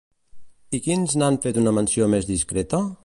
I quins n'han fet una menció més discreta?